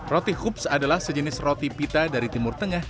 roti hoops adalah sejenis roti pita dari timur tengah